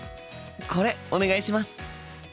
これお願いします。